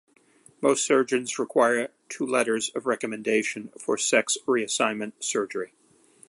Most surgeons require two letters of recommendation for sex reassignment surgery.